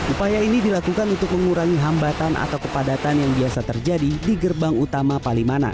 upaya ini dilakukan untuk mengurangi hambatan atau kepadatan yang biasa terjadi di gerbang utama palimanan